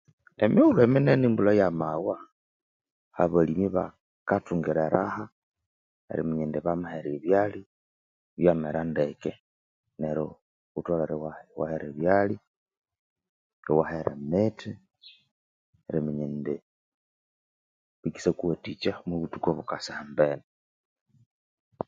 Emighulhu eminene embulha yamawa, abalimi bakathungira eraha eriminya indi bamahera ebyalya byamera ndeke. Neryo wutholere iwahera ebyalya, iwahera emithi, eriminya indi bikesakuwathikya omwa buthuku obukasa ahambere.